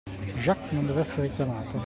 Jacques non dev'essere chiamato!